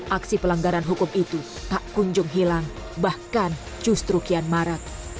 aksi pelanggaran hukum itu tak kunjung hilang bahkan justru kian marak